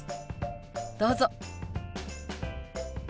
どうぞ。